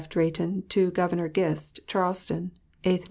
DRAYTON TO GOVERNOR GIST. CHARLESTON, 8th Nov.